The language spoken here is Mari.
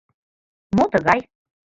Мо тыгай?!